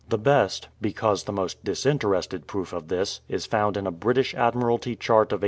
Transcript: The best, because the most disinterested proof of this is found in a British Admiralty chart of 1871.